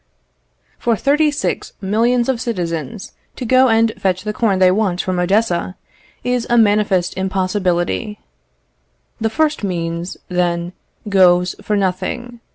For thirty six millions of citizens to go and fetch the corn they want from Odessa, is a manifest impossibility. The first means, then, goes for nothing.